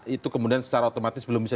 itu kemudian secara otomatis belum bisa